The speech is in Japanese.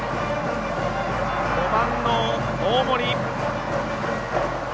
５番、大森。